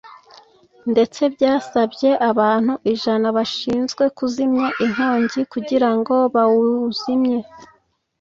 ndetse byasabye abantu ijana bashinzwe kuzimya inkongi kugira ngo bawuzimye